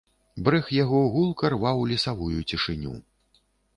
Брэх яго гулка рваў лесавую цішыню.